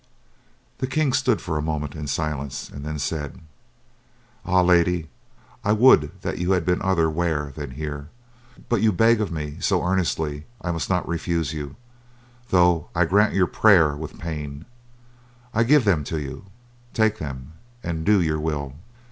The king stood for a moment in silence, and then said: "Ah! lady, I would that you had been other where than here; but you beg of me so earnestly I must not refuse you, though I grant your prayer with pain. I give them to you; take them, and do your will."